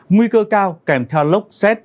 nguy cơ cao kèm theo lốc xét mưa đẹp